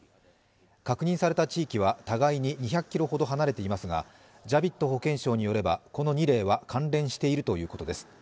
確認された地域は、互いに２００ｋｍほど離れていますが、ジャヴィッド保健相によればこの２例は関連しているということです。